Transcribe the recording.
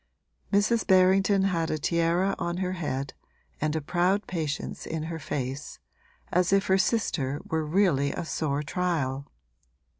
Mrs. Berrington had a tiara on her head and a proud patience in her face, as if her sister were really a sore trial.